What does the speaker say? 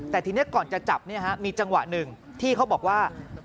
แต่ทีนี้ก่อนจะจับมีจังหวะหนึ่งที่เขาบอกว่า